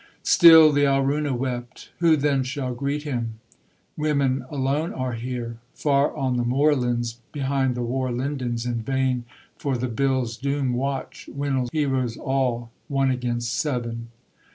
Still the Alruna wept: 'Who then shall greet him? Women alone are here: Far on the moorlands Behind the war lindens, In vain for the bill's doom Watch Winil heroes all, One against seven.'